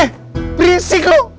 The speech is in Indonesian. eh berisik lo